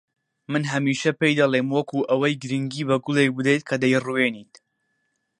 من هەمیشە پێی دەڵێم وەکو ئەوەی گرنگی بە گوڵێک بدەیت کە دەیڕوێنیت